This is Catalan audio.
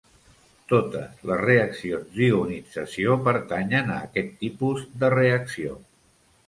Totes les reaccions d'ionització pertanyen a aquest tipus de reacció.